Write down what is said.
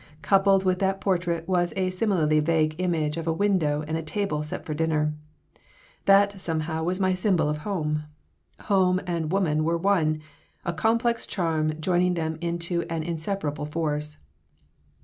Coupled with that portrait was a similarly vague image of a window and a table set for dinner. That, somehow, was my symbol of home. Home and woman were one, a complex charm joining them into an inseparable force.